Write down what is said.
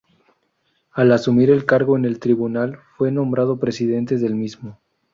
Al asumir el cargo en el Tribunal fue nombrado presidente del mismo.